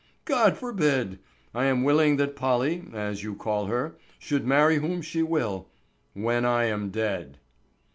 "God forbid! I am willing that Polly, as you call her, should marry whom she will—when I am dead."